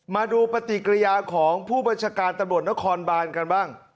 มาดูปฏิกิริยาของผู้บัญชาการตำรวจนครบานกันบ้าง